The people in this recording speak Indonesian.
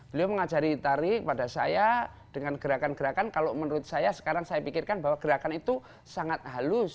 beliau mengajari tari kepada saya dengan gerakan gerakan kalau menurut saya sekarang saya pikirkan bahwa gerakan itu sangat halus